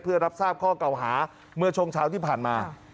เพื่อรับทราบข้อเก่าหาเมื่อช่วงเช้าที่ผ่านมา